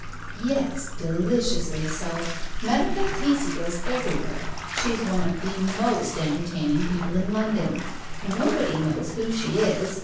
"Yes, deliciously so. Madame Valtesi goes everywhere. She is one of the most entertaining people in London. Nobody knows who she is.